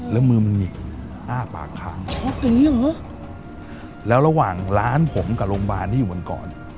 แล้วมือมันหงิกอ้าปากค้างช็อกอย่างนี้หรอแล้วระหว่างร้านผมกับโรงพยาบาลที่อยู่บนก่อน